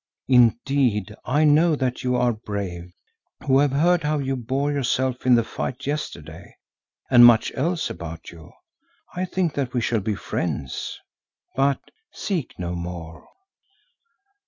Indeed, I know that you are brave, who have heard how you bore yourself in the fight yesterday, and much else about you. I think that we shall be friends, but—seek no more."